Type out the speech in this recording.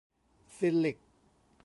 ซิลลิค